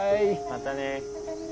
またね。